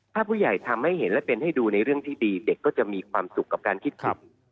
ถ้าผู้ใหญ่ทำให้เห็นและเป็นให้ดูในเรื่องที่ดีเด็กก็จะมีความสุขกับการคิดผิด